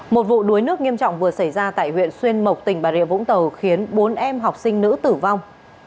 một vụ đuối nước nghiêm trọng vừa xảy ra tại huyện xuyên mộc tỉnh bà rịa vũng tàu khiến bốn em học sinh nữ tử vong